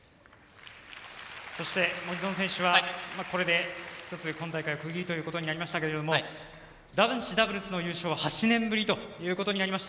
そして、森薗選手はこれで１つ今大会の区切りということになりましたが男子ダブルスの優勝は８年ぶりということになりました。